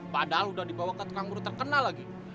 padahal udah dibawakan ke kang buru terkenal lagi